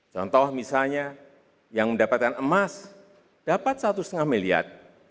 contoh misalnya yang mendapatkan emas dapat satu lima miliar